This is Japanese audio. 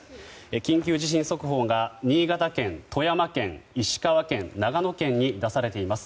緊急地震速報が新潟県、富山県、石川県長野県に出されています。